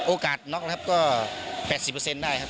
โอกาสน็อคก็๘๐ได้ครับ